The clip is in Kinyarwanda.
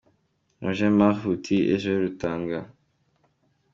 Roger Marc Ruti & Joel Rutaganda.